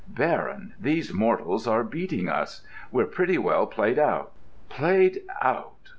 Baron, these mortals are beating us: we're pretty well played out. 'Played out!